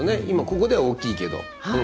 今ここでは大きいけど。